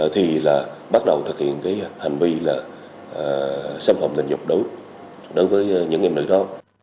thì là bắt đầu thực hiện hành vi xâm phòng tình dục đối với những em nữ đó